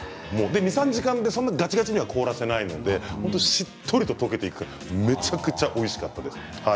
２、３時間でがちがちに凍らせないのでしっとりととけていってめちゃくちゃおいしかったです。